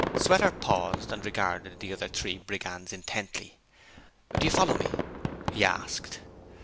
Sweater paused, and regarded the other three brigands intently. 'Do you follow me?' he asked.